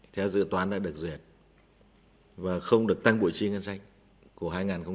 theo dự toán đã được duyệt và không được tăng bộ trí ngân sách của hai nghìn hai mươi ba